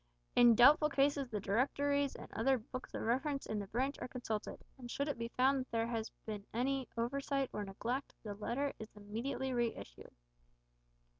In doubtful cases the Directories and other books of reference in the branch are consulted, and should it be found that there has been any oversight or neglect, the letter is immediately re issued.